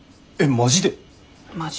マジで。